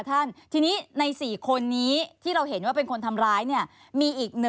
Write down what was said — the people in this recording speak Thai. วันนี้เรียกผู้เกาะเหตุมาทั้งหมดกี่คนคะ